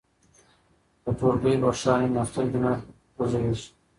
که ټولګی روښانه وي نو سترګې نه خوږیږي.